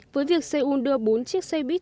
với việc seoul đưa bốn chiếc xe buýt